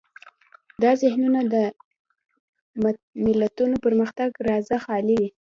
دا ذهنونه د ملتونو پرمختګ رازه خالي وي.